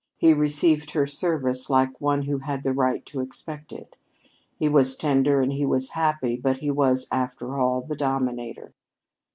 He received her service like one who had the right to expect it. He was tender and he was happy, but he was, after all, the dominator.